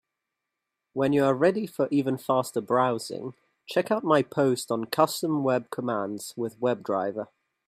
When you are ready for even faster browsing, check out my post on Custom web commands with WebDriver.